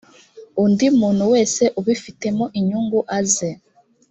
undi muntu wese ubifitemo inyungu aze